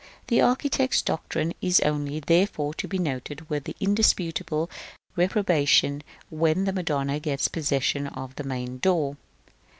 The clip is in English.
The architect's doctrine is only, therefore, to be noted with indisputable reprobation when the Madonna gets possession of the main door.